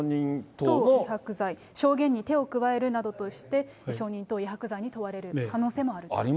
証言に手を加えるなどとして、証人等威迫罪に問われる可能性もある。